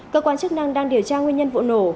cơ quan chức năng đang điều tra nguyên nhân vụ nổ